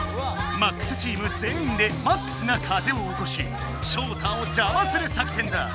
ＭＡＸチーム全員でＭＡＸな風をおこしショウタをじゃまする作戦だ！